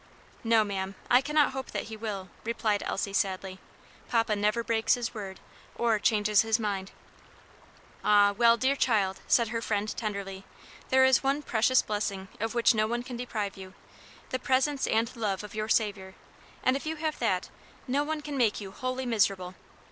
"No, ma'am, I cannot hope that he will," replied Elsie sadly; "papa never breaks his word or changes his mind." "Ah! well, dear child," said her friend tenderly, "there is one precious blessing of which no one can deprive you the presence and love of your Saviour; and if you have that, no one can make you wholly miserable.